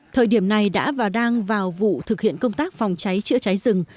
thời điểm này đã và đang vào vụ thực hiện công tác phòng cháy chữa cháy rừng